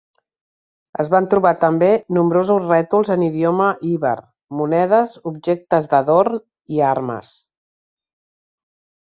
Es van trobar també nombrosos rètols en idioma iber, monedes, objectes d'adorn i armes.